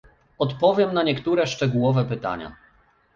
Odpowiem na niektóre szczegółowe pytania